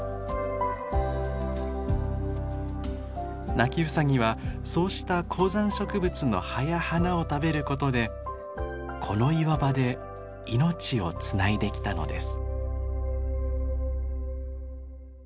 ナキウサギはそうした高山植物の葉や花を食べることでこの岩場で命をつないできたのです。